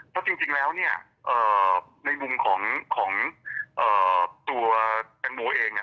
เพราะจริงแล้วในมุมของตัวแตงโมเอง